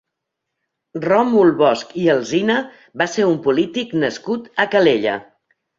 Ròmul Bosch i Alsina va ser un polític nascut a Calella.